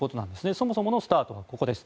そもそものスタートがここです。